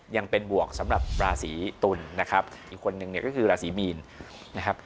ยังเป็นบวกสำหรับราศีตุลนะครับอีกคนนึงเนี่ยก็คือราศีมีนนะครับ